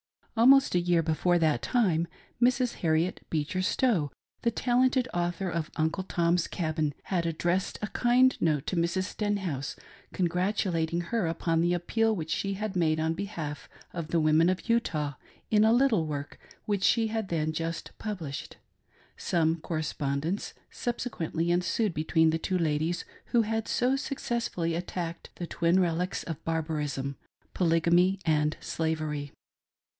Almost a year before that time, Mrs. Harriet Beecher Stowe, the talented author of " Uncle Tom's Cabin," had addressed a kind note to Mrs. Stenhouse, congratulating her upon the appeal which she had made on behalf of the women of Utah, in a little work which she had then just published. Some correspondence subsequently ensued between the two ladies who had so successfully attacked "the twin relics of barbarism" — polygamy and slavery.